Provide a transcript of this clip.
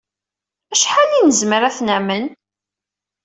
Acḥal ay nezmer ad t-namen?